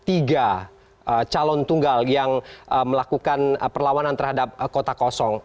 tiga calon tunggal yang melakukan perlawanan terhadap kota kosong